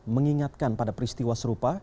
mengingatkan pada peristiwa serupa